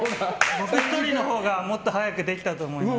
僕１人のほうがもっと早くできたと思います。